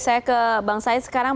saya ke bang said sekarang